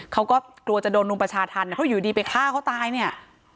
เขาก็กลัวจะโดนรุมประชาธรรมเพราะอยู่ดีไปฆ่าเขาตายเนี่ย